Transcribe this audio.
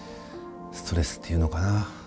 ストレスって言うのかな？